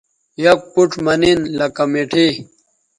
یک پوڇ مہ نن لکہ مٹھائ